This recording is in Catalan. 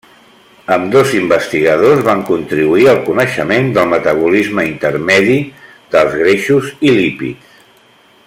Ambdós investigadors van contribuir al coneixement del metabolisme intermedi dels greixos i lípids.